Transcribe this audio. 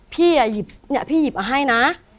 พี่อ่ะนี่พี่หยิบมาให้นะ